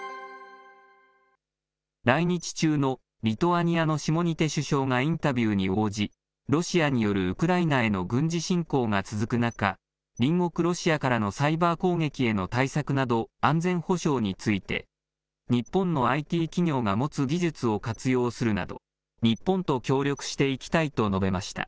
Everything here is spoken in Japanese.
来日中のリトアニアのシモニテ首相がインタビューに応じ、ロシアによるウクライナへの軍事侵攻が続く中、隣国ロシアからのサイバー攻撃への対策など、安全保障について、日本のＩＴ企業が持つ技術を活用するなど、日本と協力していきたいと述べました。